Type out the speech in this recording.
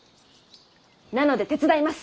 なので手伝います